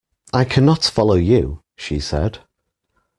I cannot follow you, she said.